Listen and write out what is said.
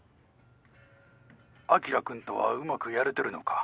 晶君とはうまくやれてるのか？